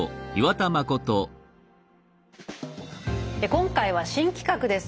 今回は新企画です。